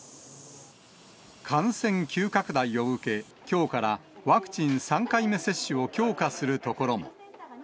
感染急拡大を受け、きょうから、ワクチン３回目接種を強化するところも。